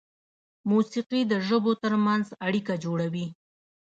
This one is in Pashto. موسیقي د ژبو تر منځ اړیکه جوړوي.